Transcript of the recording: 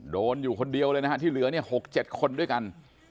อยู่คนเดียวเลยนะฮะที่เหลือเนี่ย๖๗คนด้วยกัน